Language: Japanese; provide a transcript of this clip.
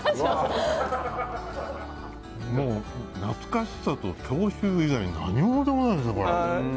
もう、懐かしさと郷愁以外、何物でもないです。